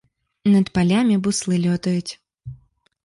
Над палямі буслы лётаюць.